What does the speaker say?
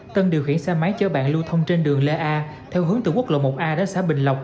tân điều khiển xe máy chở bạn lưu thông trên đường lê a